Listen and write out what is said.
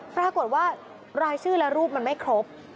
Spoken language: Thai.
ปรากฏว่ารายชื่อและรูปมันไม่ครบ